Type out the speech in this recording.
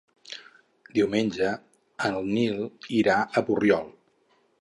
Diumenge en Nil irà a Borriol.